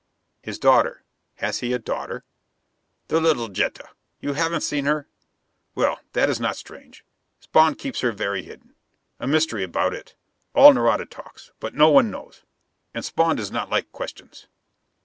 "His daughter. Has he a daughter?" "The little Jetta. You haven't seen her? Well, that is not strange. Spawn keeps her very hidden. A mystery about it: all Nareda talks, but no one knows; and Spawn does not like questions."